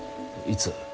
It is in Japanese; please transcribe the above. いつ？